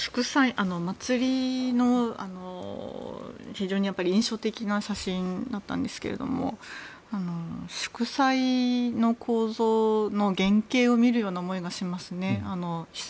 祭りの、非常に印象的な写真だったんですが祝祭の構造の原型を見るような思いがしますね。